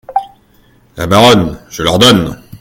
La Baronne Je l’ordonne !